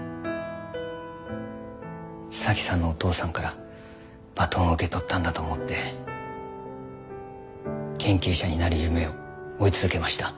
早紀さんのお父さんからバトンを受け取ったんだと思って研究者になる夢を追い続けました。